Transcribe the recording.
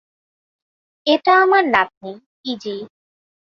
এটা আমার নাতনি, ইযি।